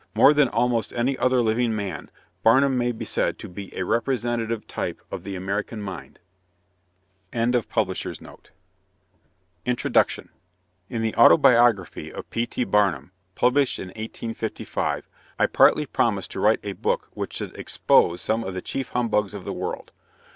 More than almost any other living man, Barnum may be said to be a representative type of the American mind." INTRODUCTION. In the "Autobiography of P. T. Barnum," published in 1855, I partly promised to write a book which should expose some of the chief humbugs of the world.